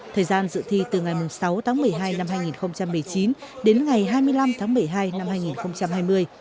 thời gian dự thi từ ngày sáu tháng một mươi hai năm hai nghìn một mươi chín đến ngày hai mươi năm tháng một mươi hai năm hai nghìn hai mươi